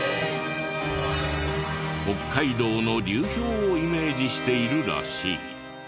北海道の流氷をイメージしているらしい。